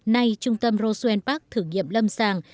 nay trung tâm roswell park thử nghiệm lâm sàng